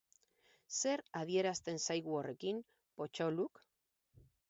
Zer adierazten zaigu horrekin, pottolook?